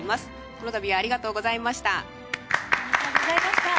このたびはありがとうございました。